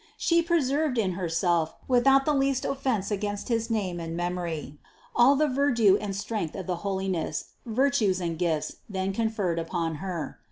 She preserved in Herself, without the least offense against his name and memory, all the verdure and strength of the holiness, virtues and gifts then conferred upon Her.